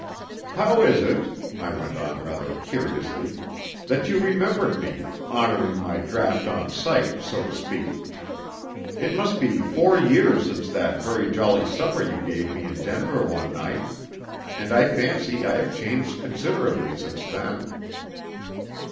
"How is it," I went on rather curiously, "that you remembered me, 'honouring my draft on sight,' so to speak? It must be four years since that very jolly supper you gave me in Denver one night, and I fancy I have changed considerably since then."